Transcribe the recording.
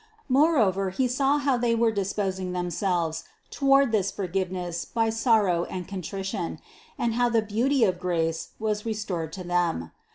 More over he saw how they were disposing themselves to ward this forgiveness by sorrow and contrition, and how the beauty of grace was restored to them.